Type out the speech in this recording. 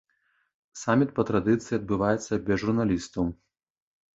Саміт па традыцыі адбываецца без журналістаў.